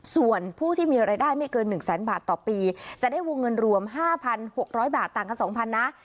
ส่วนผู้ที่มีรายได้ไม่เกิน๑แสนบาทต่อปีจะได้วงเงินรวม๕๖๐๐บาทต่างกับ๒๐๐นะ